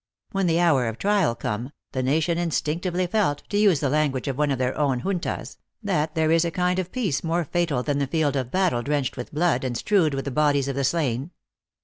"When the hoiy of trial come, the nation instinctively felt, to use the language of one of their own juntas, that there is a kind of peace more fatal than the field of hattle drenched with blood, and strewed with the bodies of the slain.